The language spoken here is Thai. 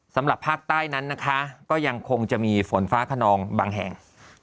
สำหรับภาคใต้นั้นนะคะก็ยังคงจะมีฝนฟ้าขนองบางแห่ง